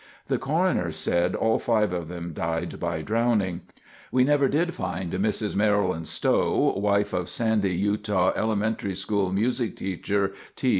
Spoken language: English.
The coroner said all five of them died by drowning. We never did find Mrs. Marilyn Stowe, wife of Sandy, Utah elementary school music teacher T.